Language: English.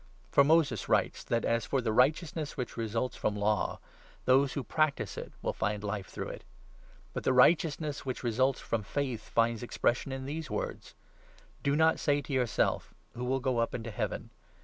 For 5 Moses writes that, as for the righteousness which results from Law, 'those who practise it will find Life through it.' But 6 the righteousness which results from faith finds expression in these words —' Do not say to yourself "Who will go up into heaven